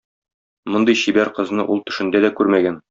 Мондый чибәр кызны ул төшендә дә күрмәгән.